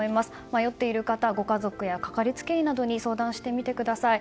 迷っている方ご家族やかかりつけ医に相談してみてください。